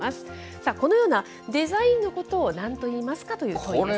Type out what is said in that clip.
さあ、このようなデザインのことをなんといいますかという問いです。